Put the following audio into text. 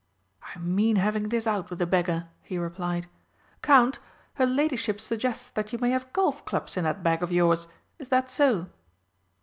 "I mean having this out with the beggar," he replied. "Count, her ladyship suggests that you may have golf clubs in that bag of yours. Is that so?"